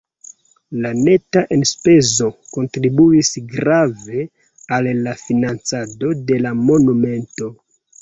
La neta enspezo kontribuis grave al la financado de la monumento.